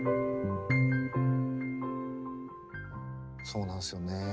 そうなんですよね。